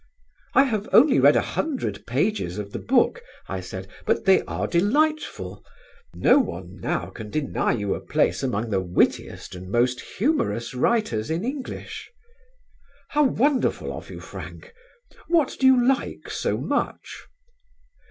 "I have only read a hundred pages of the book," I said; "but they are delightful: no one now can deny you a place among the wittiest and most humorous writers in English." "How wonderful of you, Frank; what do you like so much?"